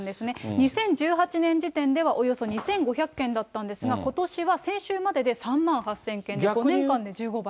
２０１８年時点ではおよそ２５００件だったんですが、ことしは先週までで３万８０００件と、５年間で１５倍。